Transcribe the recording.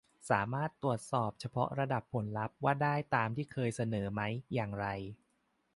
สามารถตรวจสอบเฉพาะระดับผลลัพธ์ว่าได้ตามที่เคยเสนอไหม อย่างไร